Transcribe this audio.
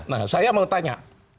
nah saya mau tanya